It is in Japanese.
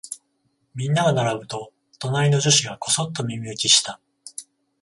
みんなが並ぶと、隣の女子がこそっと耳打ちした。